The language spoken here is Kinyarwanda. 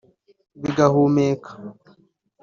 bigahumeka